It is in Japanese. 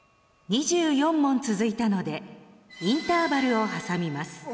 ２４問続いたのでインターバルを挟みます。